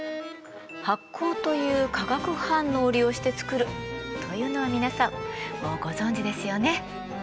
発酵という化学反応を利用して作るというのは皆さんもうご存じですよね？